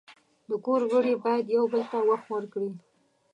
د کور غړي باید یو بل ته وخت ورکړي.